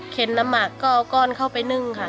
น้ำหมักก็เอาก้อนเข้าไปนึ่งค่ะ